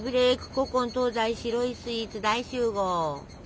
古今東西白いスイーツ大集合！